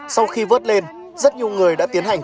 sau khi vớt lên rất nhiều người đã tiến hành